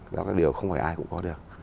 đó là điều không phải ai cũng có được